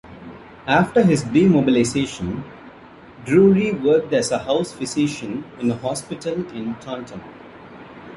After his demobilisation, Drury worked as a House Physician in a hospital in Taunton.